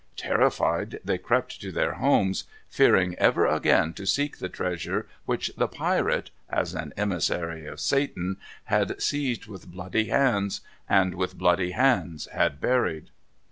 Terrified, they crept to their homes, fearing ever again to seek the treasure which the pirate, as an emissary of Satan, had seized with bloody hands, and with bloody hands had buried.